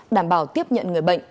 đảm bảo tiếp nhận người bệnh